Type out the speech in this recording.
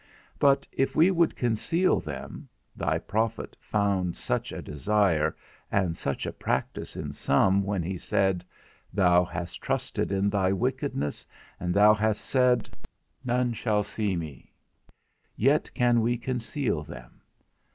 But if we would conceal them (thy prophet found such a desire, and such a practice in some, when he said, Thou hast trusted in thy wickedness, and thou hast said, None shall see me), yet can we conceal them?